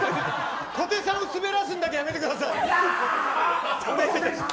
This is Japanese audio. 小手さんを滑らすのはやめてください。